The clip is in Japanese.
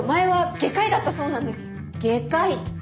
外科医？